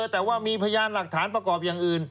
แต่ว่ามีพยานหลักฐานประกอบอย่างอื่น